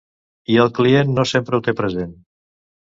I el client no sempre ho té present.